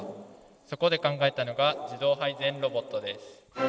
そこで考えたのが自動配膳ロボットです。